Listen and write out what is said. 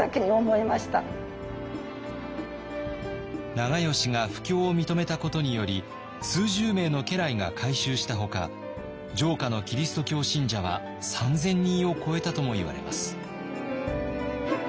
長慶が布教を認めたことにより数十名の家来が改宗したほか城下のキリスト教信者は３，０００人を超えたともいわれます。